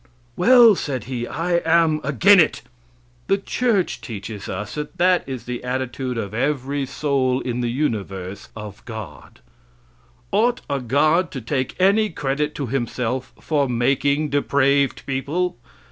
"Well," said he, "I am agin it!" The church teaches us that that is the attitude of every soul in the universe of God. Ought a god to take any credit to himself for making depraved people?